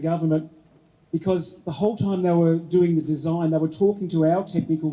karena selama mereka melakukan desain mereka berbicara dengan tim teknik kami